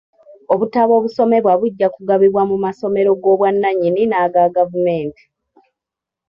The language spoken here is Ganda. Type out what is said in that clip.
Obutabo obusomebwa bujja kugabibwa mu masomero g'obwannanyini n'agagavumenti.